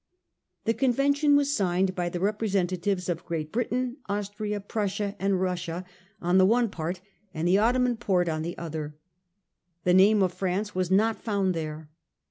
The convention was signed by the representatives of Great Britain, Austria, Prussia and Russia, on the one part, and of the Ottoman Porte on the other. The name of France was not found there.